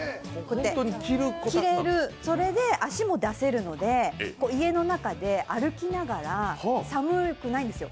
着れる、それで足も出せるので家の中で歩きながら、寒くないんですよ。